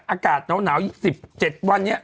อากาศหนาว๑๗วันนี้